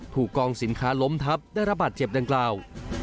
กองสินค้าล้มทับได้รับบาดเจ็บดังกล่าว